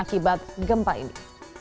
akibat gempa ini